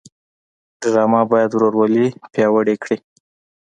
ډرامه باید ورورولي پیاوړې کړي